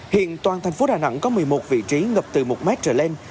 hiện toàn thành phố đà nẵng có một mươi một vị trí ngập từ một mét trở lên